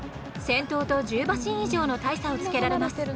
先頭と１０馬身以上の大差をつけられます。